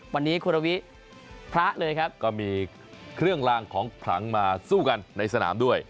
วันนี้คุณวิพระเลยครับก็มีเครื่องลางของขลังมาสู้กันในสนามด้วย